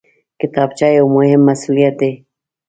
کتابچه یو مهم مسؤلیت دی